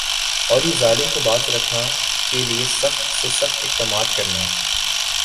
اور یِہ ظالم کو باز رکھنا کا لئے سخت سے سخت اقدامات کرنا